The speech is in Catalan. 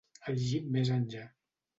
El jeep més enllà.